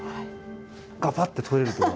ガバッて取れるとか？